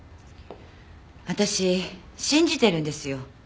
私信じてるんですよ。